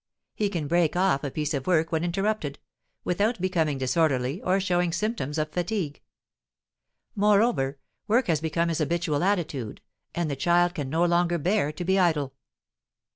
He can break off a piece of work when interrupted, without becoming disorderly or showing symptoms of fatigue. Moreover, work has become his habitual attitude, and the child can no longer bear to be idle.